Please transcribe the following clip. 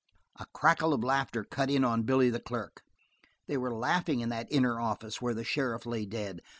A crackle of laughter cut in on Billy the clerk. They were laughing in that inner office, where the sheriff lay dead.